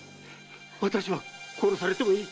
私は殺されてもいい！